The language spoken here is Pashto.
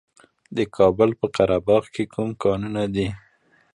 د کابل په قره باغ کې کوم کانونه دي؟